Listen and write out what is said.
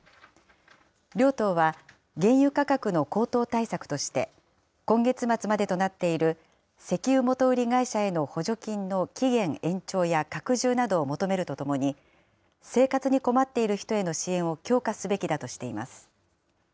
両党は原油価格の高騰対策として、今月末までとなっている石油元売り会社への補助金の期限延長や拡充などを求めるとともに、生活に困っている人への支援を強化すべきだとしています。